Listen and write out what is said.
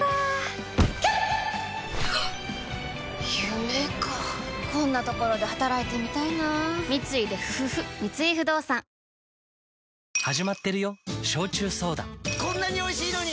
夢かこんなところで働いてみたいな三井不動産こんなにおいしいのに。